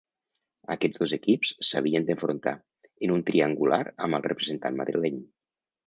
Aquests dos equips s'havien d'enfrontar, en un triangular amb el representant madrileny.